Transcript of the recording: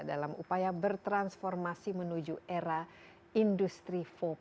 dalam upaya bertransformasi menuju era industri empat